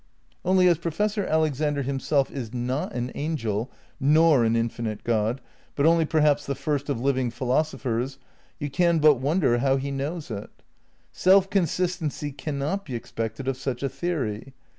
Only as Professor Alexander himself is not an angel nor an infinite Grod, but only perhaps the first of living philosophers, you can but wonder how he knows it. Self consistency cannot be expected of such a theory.